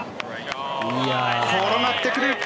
転がってくる。